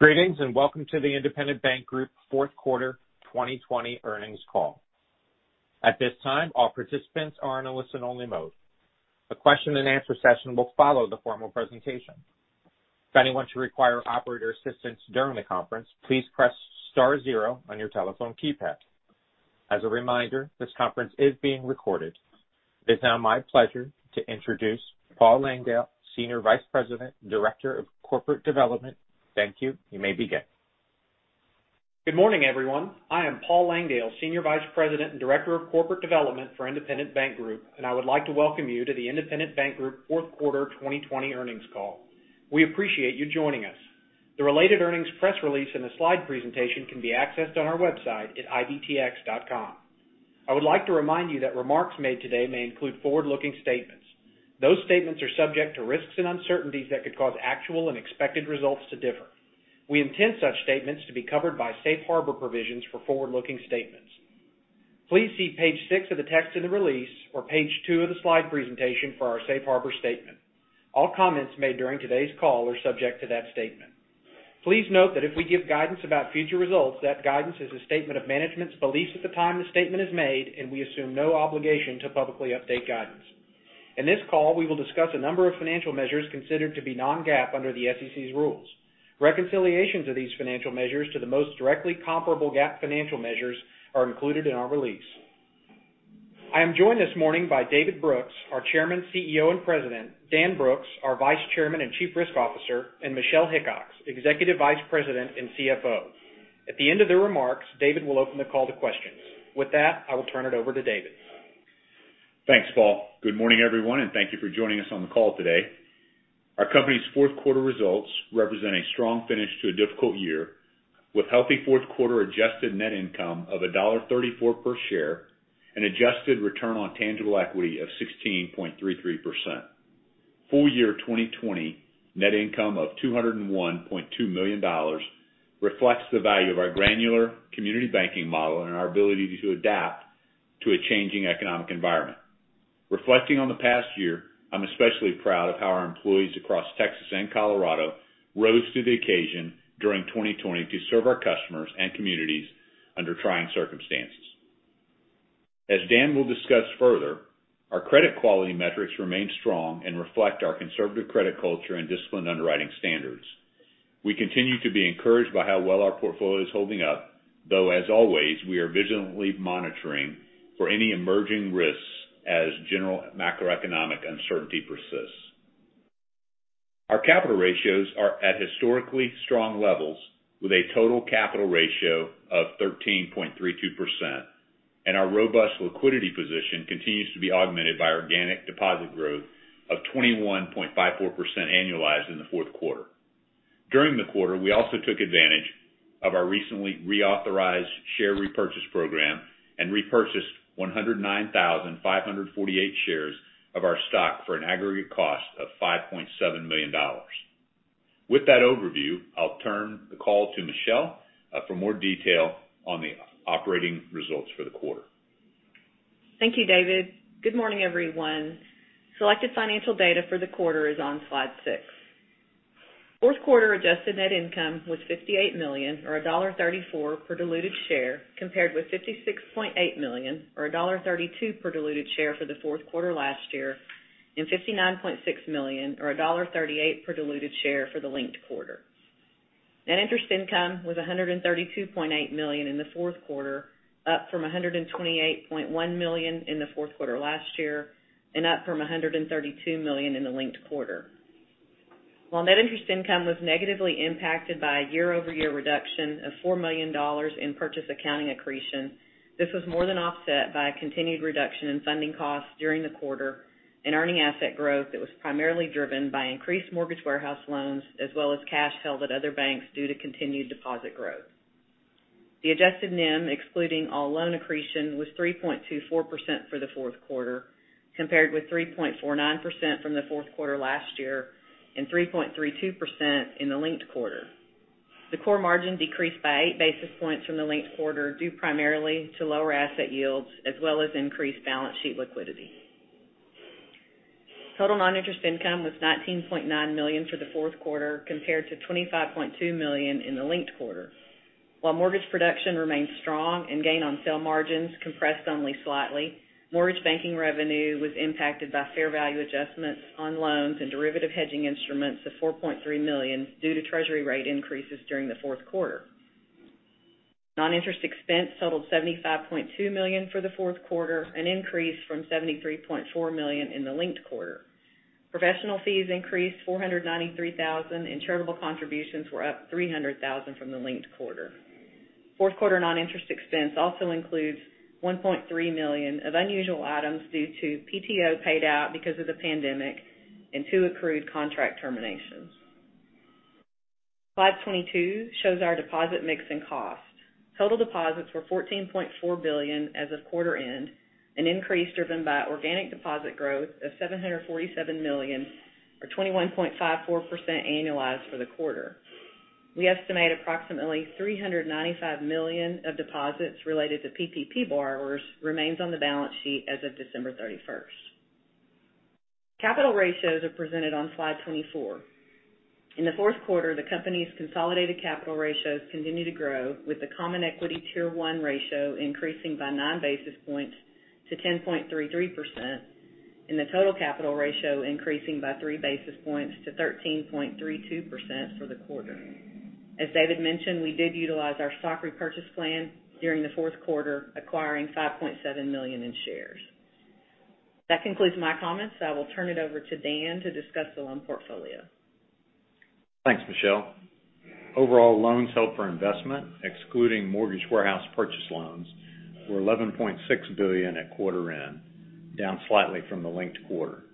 Greetings, and welcome to the Independent Bank Group fourth quarter 2020 earnings call. At this time, all participants are in a listen-only mode. A question-and-answer session will follow the formal presentation. If anyone should require operator assistance during the conference, please press star zero on your telephone keypad. As a reminder, this conference is being recorded. It is now my pleasure to introduce Paul Langdale, Senior Vice President, Director of Corporate Development. Thank you. You may begin. Good morning, everyone. I am Paul Langdale, Senior Vice President and Director of Corporate Development for Independent Bank Group, and I would like to welcome you to the Independent Bank Group fourth quarter 2020 earnings call. We appreciate you joining us. The related earnings press release and the slide presentation can be accessed on our website at ibtx.com. I would like to remind you that remarks made today may include forward-looking statements. Those statements are subject to risks and uncertainties that could cause actual and expected results to differ. We intend such statements to be covered by safe harbor provisions for forward-looking statements. Please see page six of the text in the release or page two of the slide presentation for our safe harbor statement. All comments made during today's call are subject to that statement. Please note that if we give guidance about future results, that guidance is a statement of management's beliefs at the time the statement is made, and we assume no obligation to publicly update guidance. In this call, we will discuss a number of financial measures considered to be non-GAAP under the SEC's rules. Reconciliations of these financial measures to the most directly comparable GAAP financial measures are included in our release. I am joined this morning by David Brooks, our Chairman, CEO, and President, Dan Brooks, our Vice Chairman and Chief Risk Officer, and Michelle Hickox, Executive Vice President and CFO. At the end of the remarks, David will open the call to questions. With that, I will turn it over to David. Thanks, Paul. Good morning, everyone, and thank you for joining us on the call today. Our company's fourth quarter results represent a strong finish to a difficult year, with healthy fourth quarter adjusted net income of $1.34 per share and adjusted return on tangible equity of 16.33%. Full-year 2020 net income of $201.2 million reflects the value of our granular community banking model and our ability to adapt to a changing economic environment. Reflecting on the past year, I'm especially proud of how our employees across Texas and Colorado rose to the occasion during 2020 to serve our customers and communities under trying circumstances. As Dan will discuss further, our credit quality metrics remain strong and reflect our conservative credit culture and disciplined underwriting standards. We continue to be encouraged by how well our portfolio is holding up, though as always, we are vigilantly monitoring for any emerging risks as general macroeconomic uncertainty persists. Our capital ratios are at historically strong levels, with a total capital ratio of 13.32%, and our robust liquidity position continues to be augmented by organic deposit growth of 21.54% annualized in the fourth quarter. During the quarter, we also took advantage of our recently reauthorized share repurchase program and repurchased 109,548 shares of our stock for an aggregate cost of $5.7 million. With that overview, I'll turn the call to Michelle for more detail on the operating results for the quarter. Thank you, David. Good morning, everyone. Selected financial data for the quarter is on slide six. Fourth quarter adjusted net income was $58 million, or $1.34 per diluted share, compared with $56.8 million or $1.32 per diluted share for the fourth quarter last year and $59.6 million or $1.38 per diluted share for the linked quarter. Net interest income was $132.8 million in the fourth quarter, up from $128.1 million in the fourth quarter last year and up from $132 million in the linked quarter. While net interest income was negatively impacted by a year-over-year reduction of $4 million in purchase accounting accretion, this was more than offset by a continued reduction in funding costs during the quarter and earning asset growth that was primarily driven by increased mortgage warehouse loans as well as cash held at other banks due to continued deposit growth. The adjusted NIM, excluding all loan accretion, was 3.24% for the fourth quarter, compared with 3.49% from the fourth quarter last year and 3.32% in the linked quarter. The core margin decreased by eight basis points from the linked quarter, due primarily to lower asset yields as well as increased balance sheet liquidity. Total non-interest income was $19.9 million for the fourth quarter, compared to $25.2 million in the linked quarter. While mortgage production remained strong and gain-on-sale margins compressed only slightly, mortgage banking revenue was impacted by fair value adjustments on loans and derivative hedging instruments of $4.3 million due to treasury rate increases during the fourth quarter. Non-interest expense totaled $75.2 million for the fourth quarter, an increase from $73.4 million in the linked quarter. Professional fees increased $493,000, and charitable contributions were up $300,000 from the linked quarter. Fourth quarter non-interest expense also includes $1.3 million of unusual items due to PTO paid out because of the pandemic and two accrued contract terminations. Slide 22 shows our deposit mix and cost. Total deposits were $14.4 billion as of quarter end, an increase driven by organic deposit growth of $747 million or 21.54% annualized for the quarter. We estimate approximately $395 million of deposits related to PPP borrowers remains on the balance sheet as of December 31st. Capital ratios are presented on slide 24. In the fourth quarter, the company's consolidated capital ratios continued to grow with the common equity Tier 1 ratio increasing by nine basis points to 10.33%, and the total capital ratio increasing by three basis points to 13.32% for the quarter. As David mentioned, we did utilize our stock repurchase plan during the fourth quarter, acquiring $5.7 million in shares. That concludes my comments. I will turn it over to Dan to discuss the loan portfolio. Thanks, Michelle. Overall loans held for investment, excluding mortgage warehouse purchase loans, were $11.6 billion at quarter end, down slightly from the linked quarter.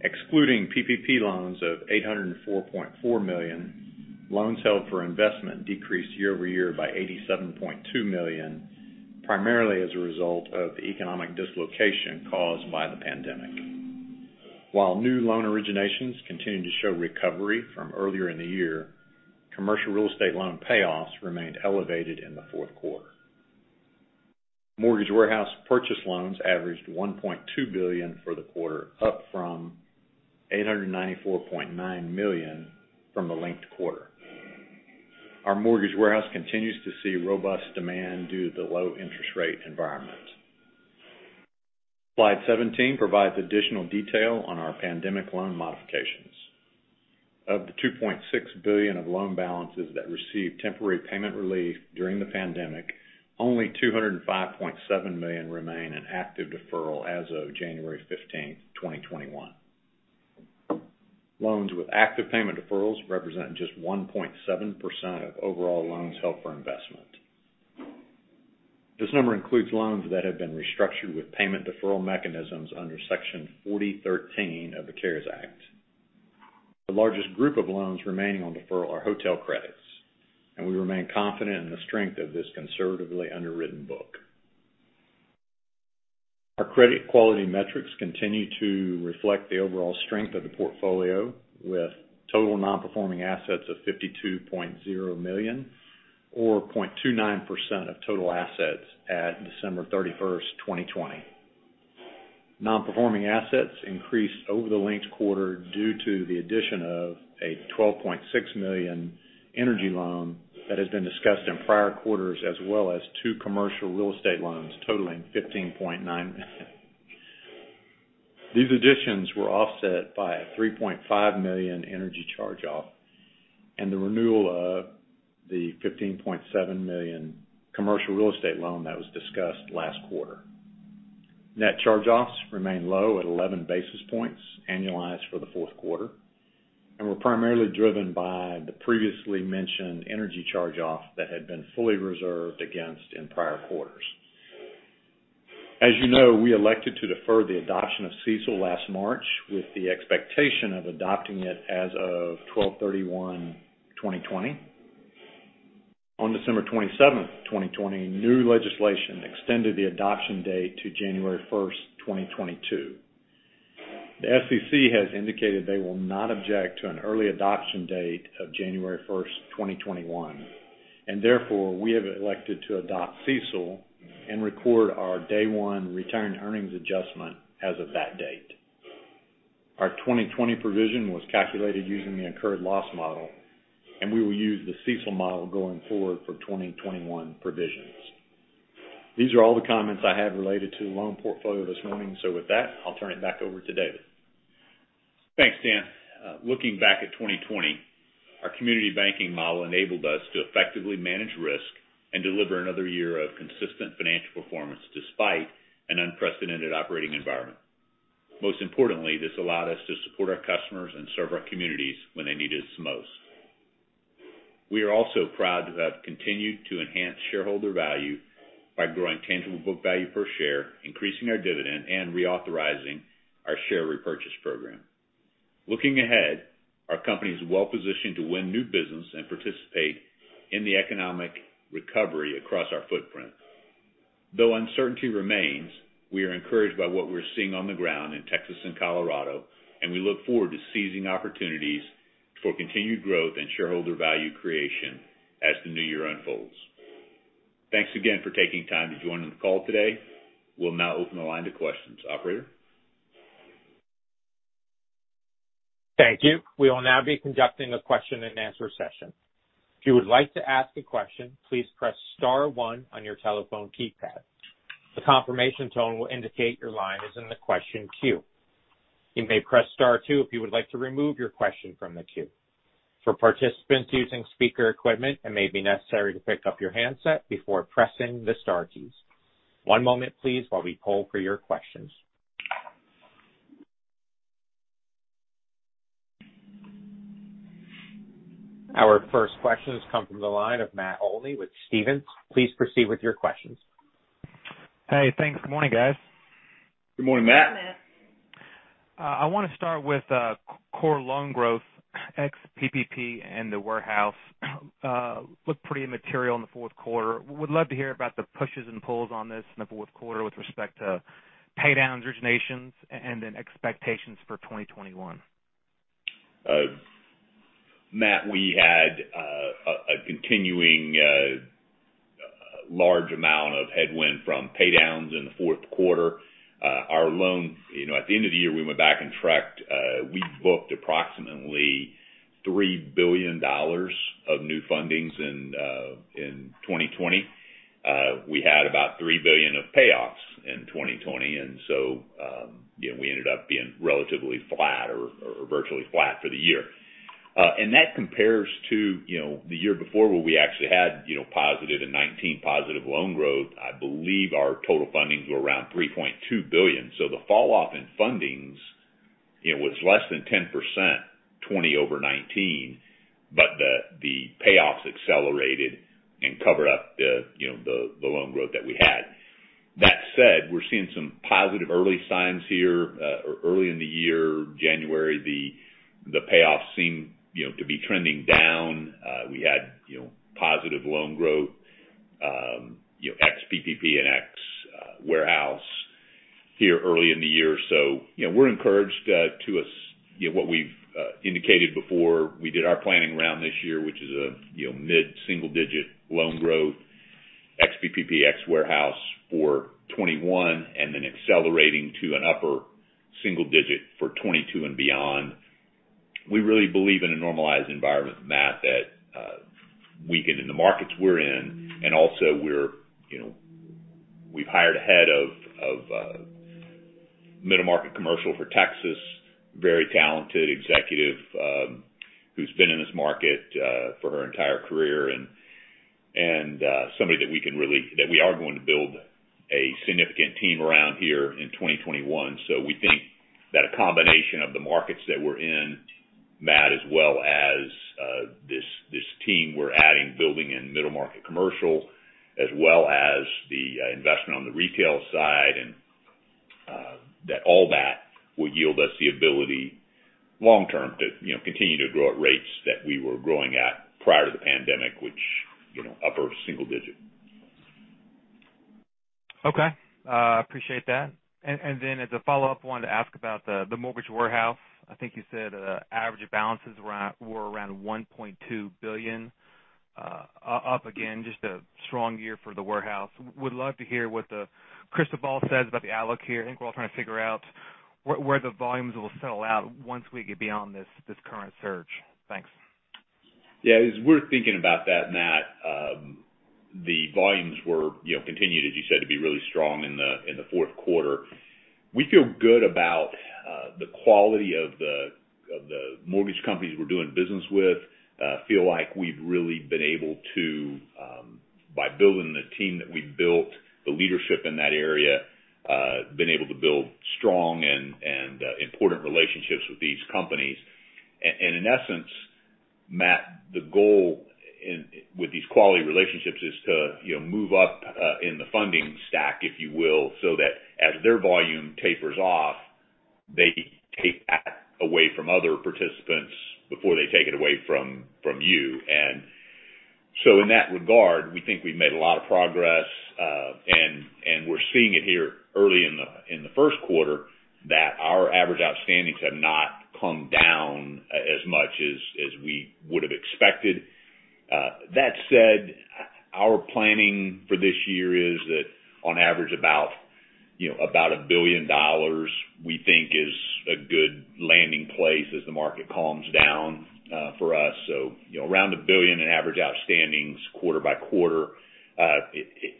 Excluding PPP loans of $804.4 million, loans held for investment decreased year-over-year by $87.2 million, primarily as a result of the economic dislocation caused by the pandemic. While new loan originations continued to show recovery from earlier in the year, commercial real estate loan payoffs remained elevated in the fourth quarter. Mortgage warehouse purchase loans averaged $1.2 billion for the quarter, up from $894.9 million from the linked quarter. Our mortgage warehouse continues to see robust demand due to the low interest rate environment. Slide 17 provides additional detail on our pandemic loan modifications. Of the $2.6 billion of loan balances that received temporary payment relief during the pandemic, only $205.7 million remain in active deferral as of January 15, 2021. Loans with active payment deferrals represent just 1.7% of overall loans held for investment. This number includes loans that have been restructured with payment deferral mechanisms under Section 4013 of the CARES Act. The largest group of loans remaining on deferral are hotel credits, and we remain confident in the strength of this conservatively underwritten book. Our credit quality metrics continue to reflect the overall strength of the portfolio, with total non-performing assets of $52.0 million, or 0.29% of total assets at December 31st, 2020. Non-performing assets increased over the linked quarter due to the addition of a $12.6 million energy loan that has been discussed in prior quarters, as well as two commercial real estate loans totaling $15.9 million. These additions were offset by a $3.5 million energy charge-off, and the renewal of the $15.7 million commercial real estate loan that was discussed last quarter. Net charge-offs remained low at 11 basis points annualized for the fourth quarter, and were primarily driven by the previously mentioned energy charge-off that had been fully reserved against in prior quarters. As you know, we elected to defer the adoption of CECL last March with the expectation of adopting it as of 12/31/2020. On December 27th, 2020, new legislation extended the adoption date to January 1st, 2022. The SEC has indicated they will not object to an early adoption date of January 1st, 2021, and therefore, we have elected to adopt CECL and record our day one retained earnings adjustment as of that date. Our 2020 provision was calculated using the incurred loss model, and we will use the CECL model going forward for 2021 provisions. These are all the comments I had related to the loan portfolio this morning. With that, I'll turn it back over to David. Thanks, Dan. Looking back at 2020, our community banking model enabled us to effectively manage risk and deliver another year of consistent financial performance, despite an unprecedented operating environment. Most importantly, this allowed us to support our customers and serve our communities when they need us the most. We are also proud to have continued to enhance shareholder value by growing tangible book value per share, increasing our dividend, and reauthorizing our share repurchase program. Looking ahead, our company is well-positioned to win new business and participate in the economic recovery across our footprint. Though uncertainty remains, we are encouraged by what we're seeing on the ground in Texas and Colorado, and we look forward to seizing opportunities for continued growth and shareholder value creation as the new year unfolds. Thanks again for taking time to join the call today. We'll now open the line to questions. Operator? Thank you. We will now be conducting a question-and-answer session. If you would like to ask a question please press star one on your telephone keypad. The confimation tone indicate your line is in the question queue. You may press star two if you would like to remove your question from the queue. To a participants using speaker equipment and may necessary to pick up your headset before pressing the star key. One moment please to call your question. Our first question comes from the line of Matt Olney with Stephens. Please proceed with your questions. Hey, thanks. Good morning, guys. Good morning, Matt. Good morning. I want to start with core loan growth, ex-PPP and the warehouse. Looked pretty immaterial in the fourth quarter. Would love to hear about the pushes and pulls on this in the fourth quarter with respect to pay downs, originations, and then expectations for 2021. Matt, we had a continuing large amount of headwind from pay downs in the fourth quarter. At the end of the year, we went back and tracked. We booked approximately $3 billion of new fundings in 2020. We had about $3 billion of payoffs in 2020, we ended up being relatively flat or virtually flat for the year. That compares to the year before, where we actually had positive in 2019, positive loan growth. I believe our total fundings were around $3.2 billion. The falloff in fundings was less than 10%, 2020 over 2019, but the payoffs accelerated and covered up the loan growth that we had. That said, we're seeing some positive early signs here. Early in the year, January, the payoffs seem to be trending down. We had positive loan growth, ex-PPP and ex-warehouse here early in the year. We're encouraged to what we've indicated before. We did our planning round this year, which is a mid-single-digit loan growth, ex-PPP, ex-warehouse for 2021, and then accelerating to an upper single digit for 2022 and beyond. We really believe in a normalized environment, Matt, that weakened in the markets we're in. Also we've hired a head of middle market commercial for Texas. Very talented executive who's been in this market for her entire career, and somebody that we are going to build a significant team around here in 2021. We think that a combination of the markets that we're in, Matt, as well as this team we're adding, building in middle market commercial, as well as the investment on the retail side, and that all that will yield us the ability long-term to continue to grow at rates that we were growing at prior to the pandemic, which upper single digit. Okay. Appreciate that. As a follow-up, wanted to ask about the mortgage warehouse. I think you said average balances were around $1.2 billion. Up again, just a strong year for the warehouse. Would love to hear what the crystal ball says about the outlook here. I think we're all trying to figure out where the volumes will settle out once we get beyond this current surge. Thanks. Yeah, as we're thinking about that, Matt, the volumes continued, as you said, to be really strong in the fourth quarter. We feel good about the quality of the mortgage companies we're doing business with. Feel like we've really been able to, by building the team that we've built, the leadership in that area, been able to build strong and important relationships with these companies. In essence, Matt, the goal with these quality relationships is to move up in the funding stack, if you will, so that as their volume tapers off, they take that away from other participants before they take it away from you. In that regard, we think we've made a lot of progress. We're seeing it here early in the first quarter that our average outstandings have not come down as much as we would've expected. That said, our planning for this year is that on average, about $1 billion, we think is a good landing place as the market calms down for us. Around $1 billion in average outstandings quarter-by-quarter.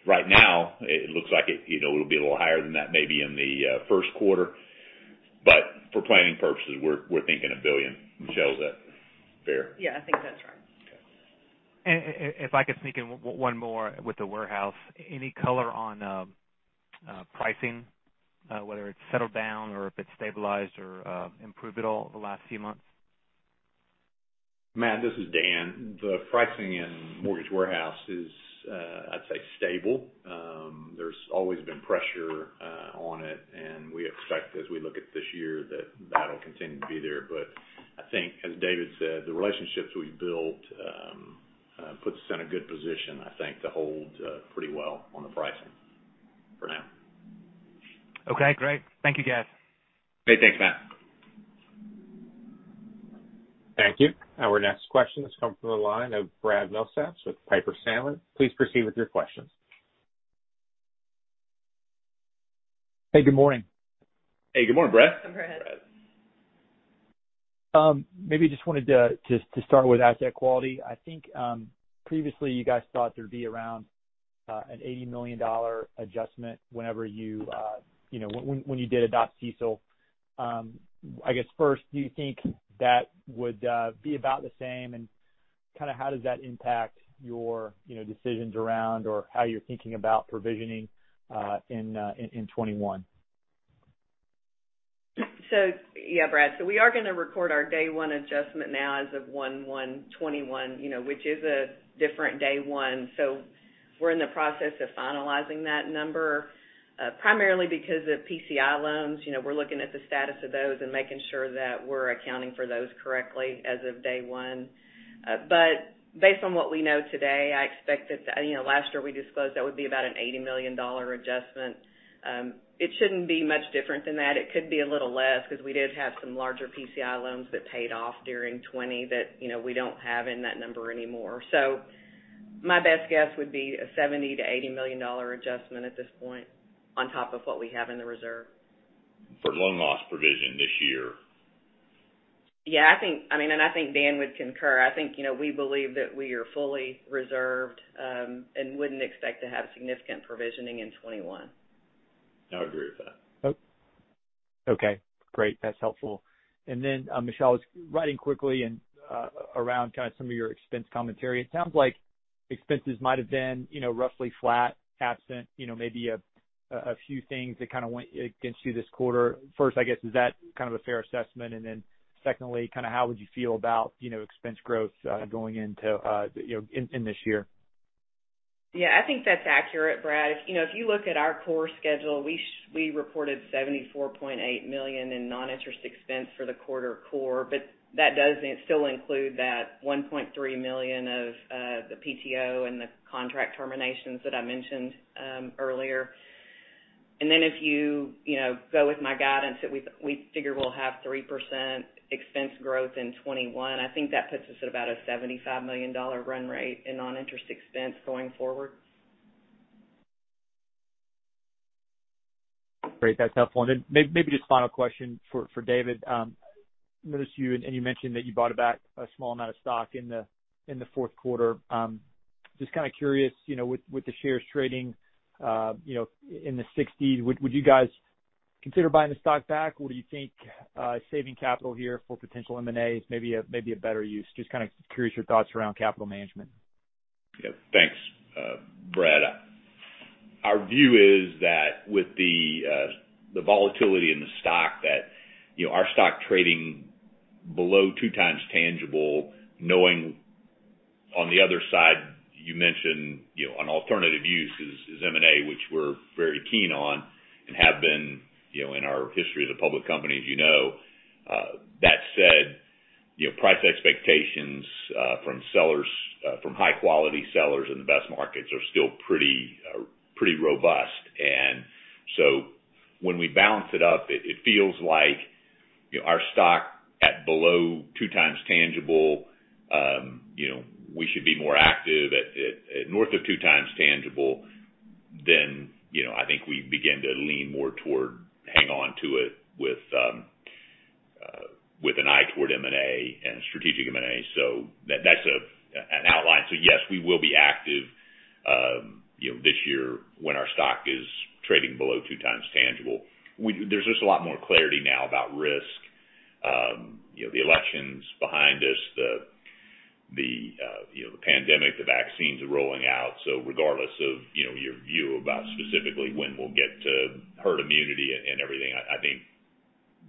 Right now it looks like it'll be a little higher than that maybe in the first quarter, but for planning purposes, we're thinking $1 billion. Michelle, is that fair? Yeah, I think that's right. Okay. If I could sneak in one more with the warehouse. Any color on pricing, whether it's settled down or if it's stabilized or improved at all the last few months? Matt, this is Dan. The pricing in mortgage warehouse is, I'd say stable. There's always been pressure on it, and we expect as we look at this year that that'll continue to be there. I think as David said, the relationships we've built puts us in a good position, I think, to hold pretty well on the pricing for now. Okay, great. Thank you, guys. Okay, thanks Matt. Thank you. Our next question has come from the line of Brad Milsaps with Piper Sandler. Please proceed with your questions. Hey, good morning. Hey, good morning, Brad. Hi, Brad. Brad. Just wanted to start with asset quality. I think previously you guys thought there'd be around an $80 million adjustment when you did adopt CECL. I guess first, do you think that would be about the same, and how does that impact your decisions around or how you're thinking about provisioning in 2021? Yeah, Brad. We are going to record our day one adjustment now as of January 1, 2021, which is a different day one. We're in the process of finalizing that number. Primarily because of PCI loans. We're looking at the status of those and making sure that we're accounting for those correctly as of day one. Based on what we know today, last year we disclosed that would be about an $80 million adjustment. It shouldn't be much different than that. It could be a little less because we did have some larger PCI loans that paid off during 2020 that we don't have in that number anymore. My best guess would be a $70 million-$80 million adjustment at this point on top of what we have in the reserve. For loan loss provision this year. Yeah. I think Dan would concur. I think, we believe that we are fully reserved, and wouldn't expect to have significant provisioning in 2021. I would agree with that. Okay, great. That's helpful. Michelle, just riding quickly and around kind of some of your expense commentary. It sounds like expenses might have been roughly flat, absent maybe a few things that kind of went against you this quarter. First, I guess, is that kind of a fair assessment? Secondly, how would you feel about expense growth going into this year? Yeah, I think that's accurate, Brad. If you look at our core schedule, we reported $74.8 million in non-interest expense for the quarter core, but that does still include that $1.3 million of the PTO and the contract terminations that I mentioned earlier. If you go with my guidance that we figure we'll have 3% expense growth in 2021, I think that puts us at about a $75 million run rate in non-interest expense going forward. Great. That's helpful. Maybe just final question for David. I noticed you, and you mentioned that you bought back a small amount of stock in the fourth quarter. Just kind of curious, with the shares trading in the 60s, would you guys consider buying the stock back, or do you think saving capital here for potential M&A is maybe a better use? Just kind of curious your thoughts around capital management. Yeah. Thanks, Brad. Our view is that with the volatility in the stock that our stock trading below 2x tangible, knowing on the other side, you mentioned, an alternative use is M&A, which we're very keen on and have been in our history as a public company, as you know. That said, price expectations from high-quality sellers in the best markets are still pretty robust. When we balance it up, it feels like our stock at below 2x tangible, we should be more active at north of 2x tangible than I think we begin to lean more toward hang on to it with an eye toward M&A and strategic M&A. That's an outline. Yes, we will be active this year when our stock is trading below 2x tangible. There's just a lot more clarity now about risk. The election's behind us, the pandemic, the vaccines are rolling out. Regardless of your view about specifically when we'll get to herd immunity and everything, I think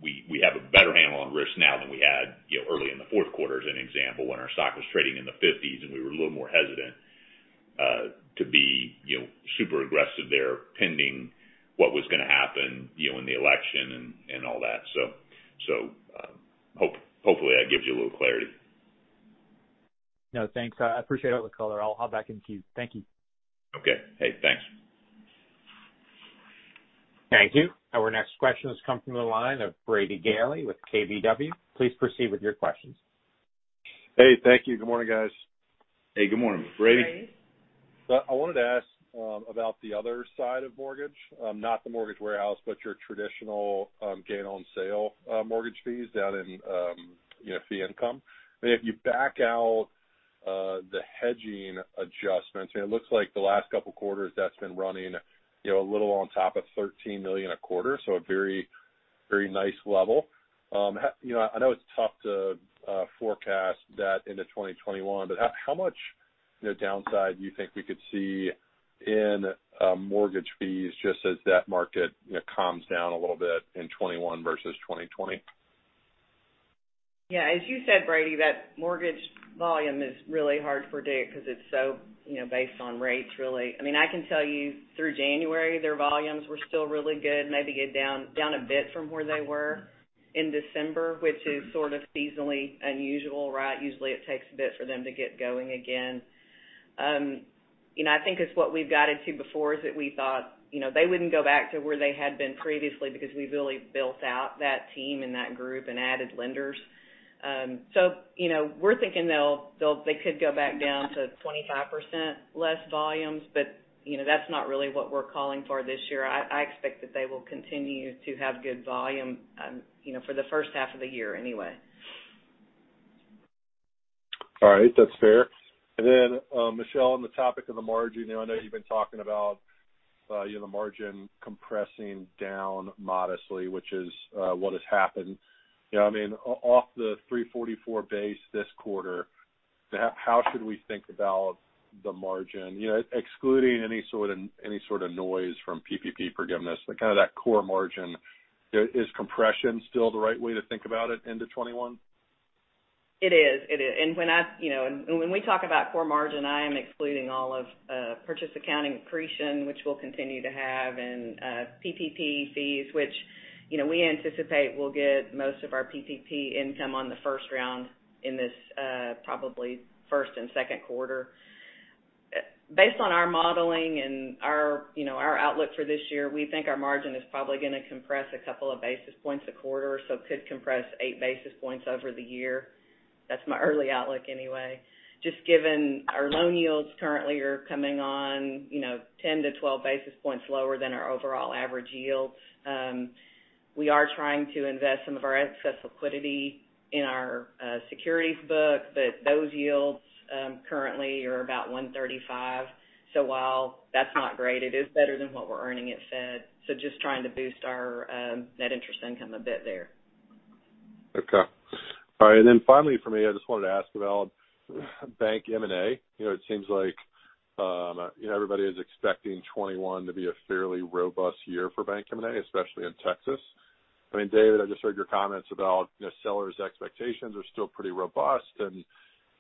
we have a better handle on risks now than we had early in the fourth quarter, as an example, when our stock was trading in the 50s, and we were a little more hesitant to be super aggressive there pending what was going to happen in the election and all that. Hopefully that gives you a little clarity. No, thanks. I appreciate the color. I'll hop back in queue. Thank you. Okay. Hey, thanks. Thank you. Our next question is coming from the line of Brady Gailey with KBW. Please proceed with your questions. Hey, thank you. Good morning, guys. Hey, good morning. Brady. Brady. I wanted to ask about the other side of mortgage, not the mortgage warehouse, but your traditional gain on sale mortgage fees down in fee income. If you back out the hedging adjustments, and it looks like the last couple quarters that's been running a little on top of $13 million a quarter, so a very nice level. I know it's tough to forecast that into 2021, but how much downside do you think we could see in mortgage fees just as that market calms down a little bit in 2021 versus 2020? As you said, Brady, that mortgage volume is really hard to predict because it's so based on rates, really. I can tell you through January, their volumes were still really good, maybe down a bit from where they were in December, which is sort of seasonally unusual, right? Usually, it takes a bit for them to get going again. I think it's what we've guided to before is that we thought they wouldn't go back to where they had been previously because we've really built out that team and that group and added lenders. We're thinking they could go back down to 25% less volumes, that's not really what we're calling for this year. I expect that they will continue to have good volume for the first half of the year anyway. All right. That's fair. Michelle, on the topic of the margin, I know you've been talking about the margin compressing down modestly, which is what has happened. Off the 344 base this quarter, how should we think about the margin? Excluding any sort of noise from PPP forgiveness, like kind of that core margin, is compression still the right way to think about it into 2021? It is. When we talk about core margin, I am excluding all of purchase accounting accretion, which we'll continue to have, and PPP fees, which we anticipate we'll get most of our PPP income on the first round in this probably first and second quarter. Based on our modeling and our outlook for this year, we think our margin is probably going to compress a couple of basis points a quarter, so it could compress eight basis points over the year. That's my early outlook anyway. Just given our loan yields currently are coming on 10-12 basis points lower than our overall average yields. We are trying to invest some of our excess liquidity in our securities book, but those yields currently are about 135. While that's not great, it is better than what we're earning at Fed. Just trying to boost our net interest income a bit there. Okay. All right, finally from me, I just wanted to ask about bank M&A. It seems like everybody is expecting 2021 to be a fairly robust year for bank M&A, especially in Texas. I mean, David, I just heard your comments about sellers' expectations are still pretty robust, and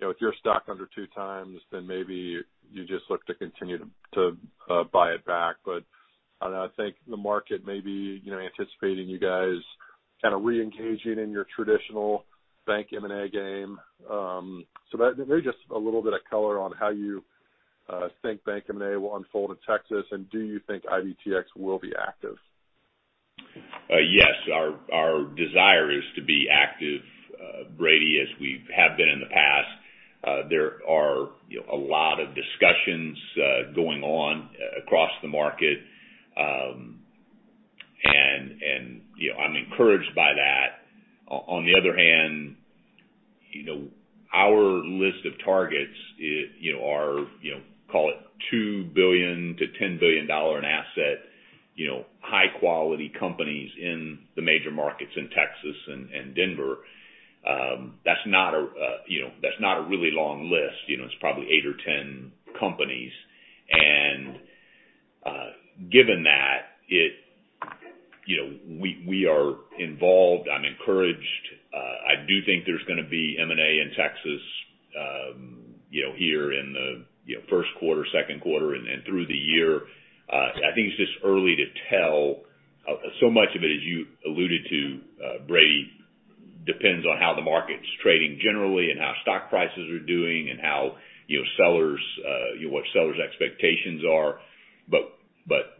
if you're stock under 2 times, then maybe you just look to continue to buy it back. I think the market may be anticipating you guys kind of re-engaging in your traditional bank M&A game. Maybe just a little bit of color on how you think bank M&A will unfold in Texas, and do you think IBTX will be active? Yes. Our desire is to be active, Brady, as we have been in the past. There are a lot of discussions going on across the market. I'm encouraged by that. On the other hand, our list of targets are call it $2 billion-$10 billion in asset, high quality companies in the major markets in Texas and Denver. That's not a really long list. It's probably eight or 10 companies. Given that, we are involved. I'm encouraged. I do think there's going to be M&A in Texas here in the first quarter, second quarter, and then through the year. I think it's just early to tell. Much of it, as you alluded to, Brady, depends on how the market's trading generally and how stock prices are doing and what sellers' expectations are.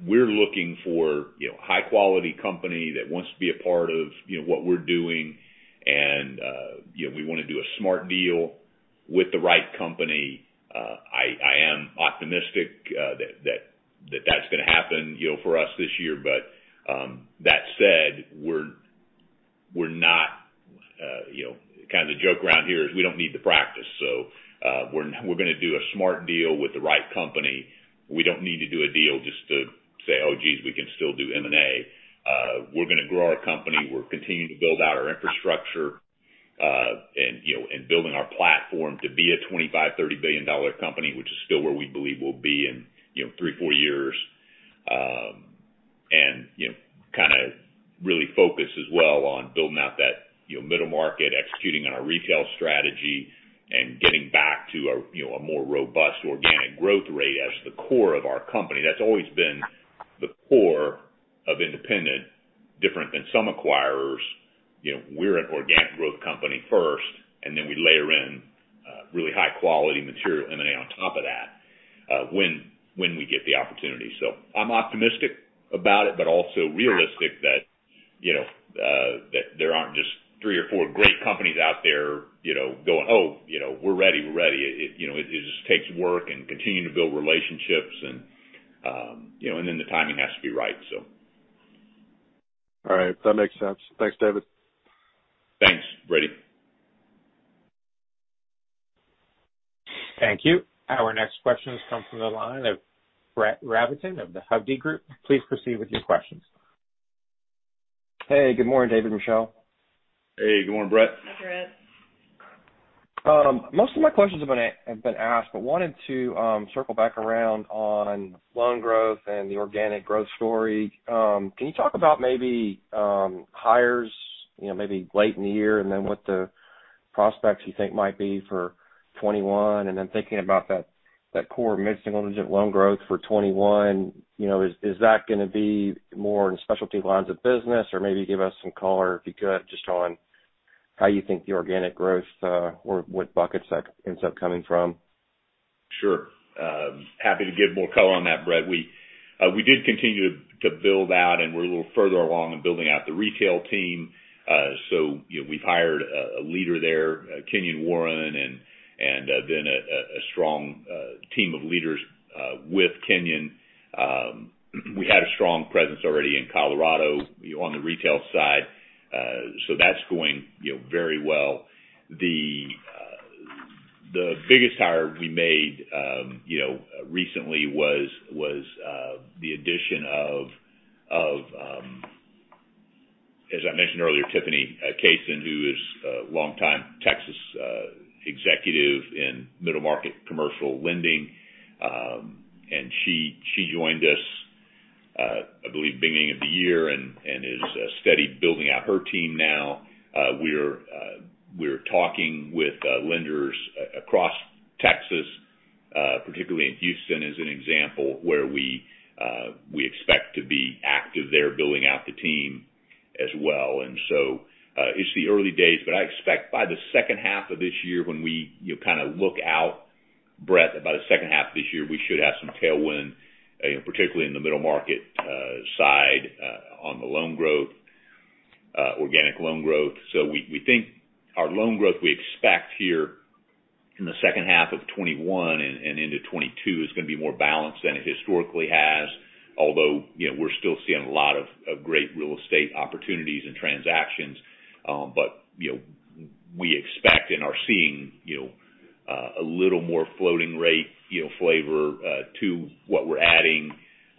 We're looking for high quality company that wants to be a part of what we're doing, and we want to do a smart deal with the right company. I am optimistic that that's going to happen for us this year. That said, kind of the joke around here is we don't need the practice. So we're going to do a smart deal with the right company. We don't need to do a deal just to say, "Oh, geez, we can still do M&A." We're going to grow our company. We're continuing to build out our infrastructure and building our platform to be a $25, $30 billion company, which is still where we believe we'll be in three, four years. Kind of really focus as well on building out that middle market, executing on our retail strategy, and getting back to a more robust organic growth rate as the core of our company. That's always been the core of Independent, different than some acquirers. We're an organic growth company first, and then we layer in really high quality material M&A on top of that when we get the opportunity. I'm optimistic about it, but also realistic that there aren't just three or four great companies out there going, "Oh, we're ready." It just takes work and continuing to build relationships, and then the timing has to be right. All right. That makes sense. Thanks, David. Thanks, Brady. Thank you. Our next question comes from the line of Brett Rabatin of the Hovde Group. Please proceed with your questions. Hey, good morning, David, Michelle. Hey, good morning, Brett. Hi, Brett. Most of my questions have been asked, but wanted to circle back around on loan growth and the organic growth story. Can you talk about maybe hires maybe late in the year, what the prospects you think might be for 2021? Thinking about that core mid-single-digit loan growth for 2021, is that going to be more in specialty lines of business? Or maybe give us some color, if you could, just on how you think the organic growth or what buckets that ends up coming from. Sure. Happy to give more color on that, Brett. We did continue to build out, and we're a little further along in building out the retail team. We've hired a leader there, Kenyon Warren, and then a strong team of leaders with Kenyon. We had a strong presence already in Colorado on the retail side. That's going very well. The biggest hire we made recently was the addition of, as I mentioned earlier, Tiffany Cason, who is a longtime Texas executive in middle market commercial lending. She joined us, I believe, beginning of the year and is steady building out her team now. We're talking with lenders across Texas, particularly in Houston, as an example, where we expect to be active there building out the team as well. It's the early days, but I expect by the second half of this year when we kind of look out Brett, by the second half of this year, we should have some tailwind, particularly in the middle market side on the loan growth, organic loan growth. We think our loan growth we expect here in the second half of 2021 and into 2022 is going to be more balanced than it historically has. Although, we're still seeing a lot of great real estate opportunities and transactions. We expect and are seeing a little more floating rate flavor to what we're adding.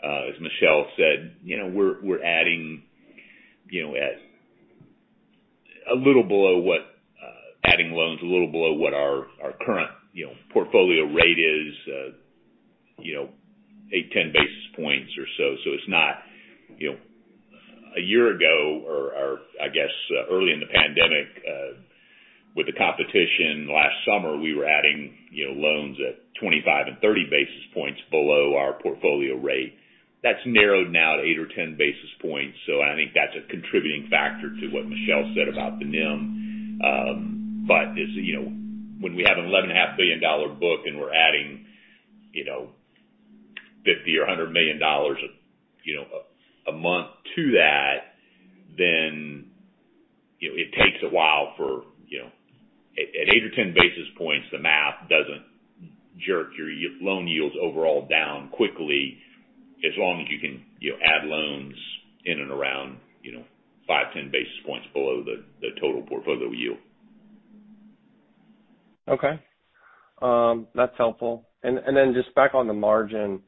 As Michelle said, we're adding loans a little below what our current portfolio rate is, eight, 10 basis points or so. A year ago, or I guess, early in the pandemic, with the competition last summer, we were adding loans at 25 and 30 basis points below our portfolio rate. That's narrowed now to eight or 10 basis points. I think that's a contributing factor to what Michelle said about the NIM. When we have an $11.5 billion book and we're adding $50 million or $100 million a month to that, then it takes a while. At eight or 10 basis points, the math doesn't jerk your loan yields overall down quickly, as long as you can add loans in and around five, 10 basis points below the total portfolio yield. Okay. That's helpful. Just back on the margin.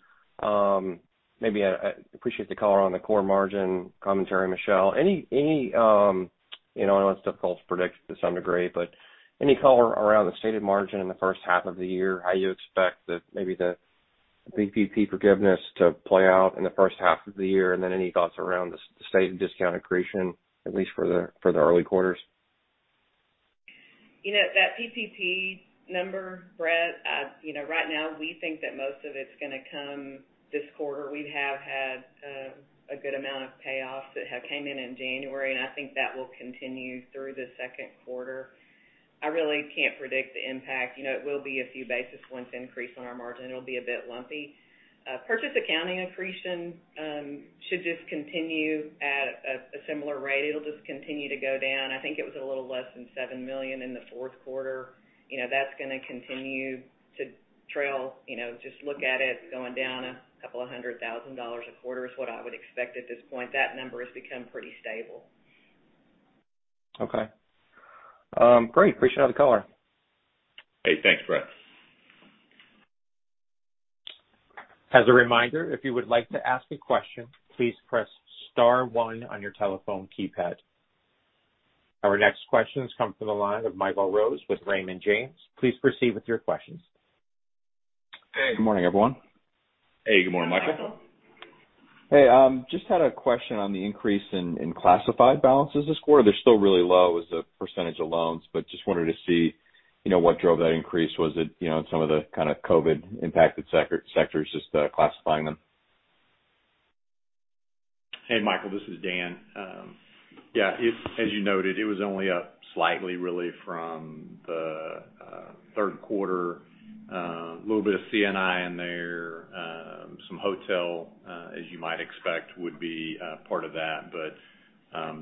I appreciate the color on the core margin commentary, Michelle. I know it's difficult to predict to some degree, any color around the stated margin in the first half of the year? How you expect maybe the PPP forgiveness to play out in the first half of the year? Any thoughts around the stated discount accretion, at least for the early quarters? That PPP number, Brett, right now we think that most of it's going to come this quarter. We have had a good amount of payoffs that have came in in January, and I think that will continue through the second quarter. I really can't predict the impact. It will be a few basis points increase on our margin. It'll be a bit lumpy. Purchase accounting accretion should just continue at a similar rate. It'll just continue to go down. I think it was a little less than $7 million in the fourth quarter. That's going to continue to trail. Just look at it going down $200,000 a quarter is what I would expect at this point. That number has become pretty stable. Okay. Great. Appreciate the color. Hey, thanks, Brett. As a reminder if you would like to ask a question please press star one on your telephone keypad. Our next questions come from the line of Michael Rose with Raymond James. Please proceed with your questions. Hey. Good morning, everyone. Hey, good morning, Michael. Hey. Just had a question on the increase in classified balances this quarter. They're still really low as a percentage of loans, but just wanted to see what drove that increase. Was it some of the kind of COVID impacted sectors, just classifying them? Hey, Michael, this is Dan. Yeah. As you noted, it was only up slightly, really, from the third quarter. Little bit of C&I in there. Some hotel, as you might expect, would be part of that.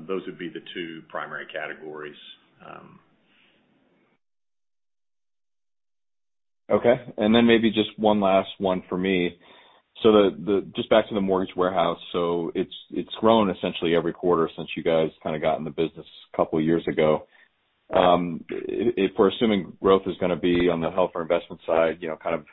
Those would be the two primary categories. Okay. Maybe just one last one for me. Just back to the mortgage warehouse. It's growing essentially every quarter since you guys kind of got in the business a couple years ago. If we're assuming growth is going to be on the held for investment side, kind of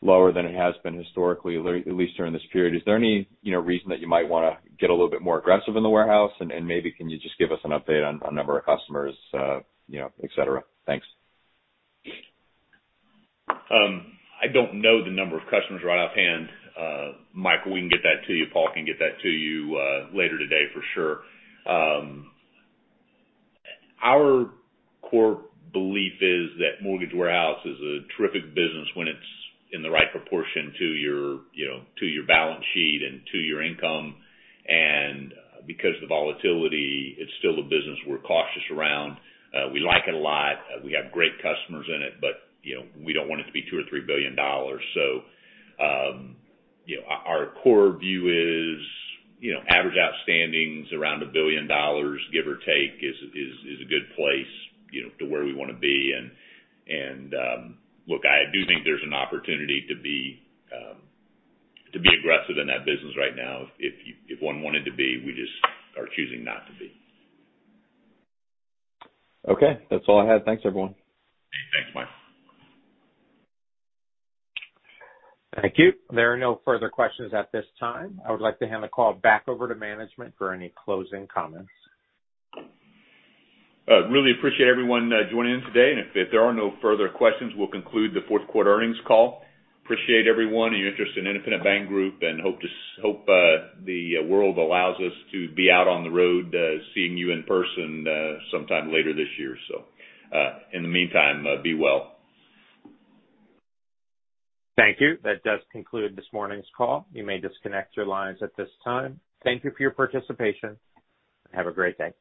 lower than it has been historically, at least during this period, is there any reason that you might want to get a little bit more aggressive in the warehouse? Maybe can you just give us an update on number of customers, et cetera? Thanks. I don't know the number of customers right offhand, Michael. We can get that to you. Paul can get that to you later today for sure. Our core belief is that mortgage warehouse is a terrific business when it's in the right proportion to your balance sheet and to your income. Because of the volatility, it's still a business we're cautious around. We like it a lot. We have great customers in it, but we don't want it to be $2 billion or $3 billion. Our core view is average outstandings around $1 billion, give or take, is a good place to where we want to be. Look, I do think there's an opportunity to be aggressive in that business right now if one wanted to be. We just are choosing not to be. Okay. That's all I had. Thanks, everyone. Hey, thanks, Michael. Thank you. There are no further questions at this time. I would like to hand the call back over to management for any closing comments. Really appreciate everyone joining in today. If there are no further questions, we'll conclude the fourth quarter earnings call. Appreciate everyone, your interest in Independent Bank Group, and hope the world allows us to be out on the road seeing you in person sometime later this year. In the meantime, be well. Thank you. That does conclude this morning's call. You may disconnect your lines at this time. Thank you for your participation, and have a great day.